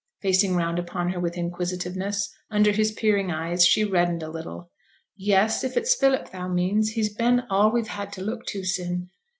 facing round upon her with inquisitiveness. Under his peering eyes she reddened a little. 'Yes, if it's Philip thou means; he's been all we've had to look to sin'.'